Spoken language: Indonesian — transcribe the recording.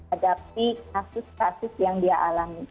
hadapi kasus kasus yang dia alami